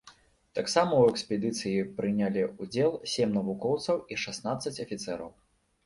Таксама ў экспедыцыі прынялі ўдзел сем навукоўцаў і шаснаццаць афіцэраў.